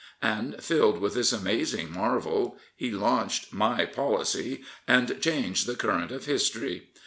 And, filled with this amazing marvel, he launched " My Policy " and changed the current of history.